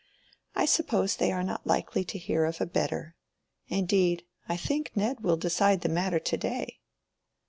I suppose they are not likely to hear of a better. Indeed, I think Ned will decide the matter to day."